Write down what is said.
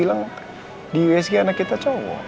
tapi segi anak kita cowok